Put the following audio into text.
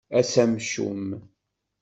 Ass amcum.